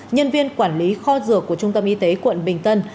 nhân viên quản lý kho dược của trung tâm y tế quận bình tân